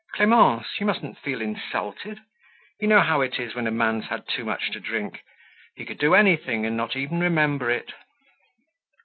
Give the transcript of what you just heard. Clemence, you mustn't feel insulted. You know how it is when a man's had too much to drink. He could do anything and not even remember it."